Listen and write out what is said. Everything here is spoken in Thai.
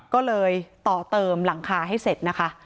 ก็เลยต่อเติมหลังคาให้เสร็จนะคะ